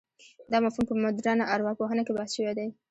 دا مفهوم په مډرنه ارواپوهنه کې بحث شوی دی.